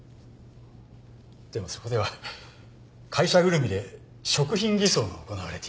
でもそこでは会社ぐるみで食品偽装が行われていて。